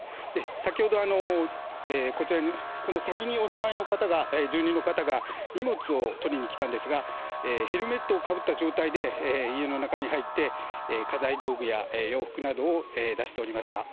先ほど、この先にお住まいの方が、住人の方が荷物を取りに来たんですが、ヘルメットをかぶった状態で家の中に入って、家財道具や洋服などを出しておりました。